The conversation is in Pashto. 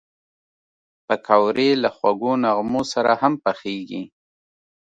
پکورې له خوږو نغمو سره هم پخېږي